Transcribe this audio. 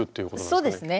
そうですねはい。